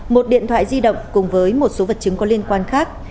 một điện thoại di động cùng với một số vật chứng có liên quan khác